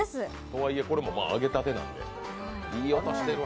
とはいえこれも揚げたてなんでいい音してる。